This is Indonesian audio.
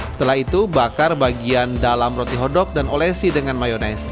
setelah itu bakar bagian dalam roti hodok dan olesi dengan mayonaise